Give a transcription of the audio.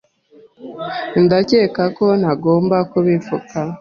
Ndakeka ko ntagomba kubivuga.